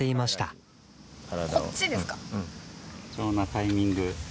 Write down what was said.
貴重なタイミング。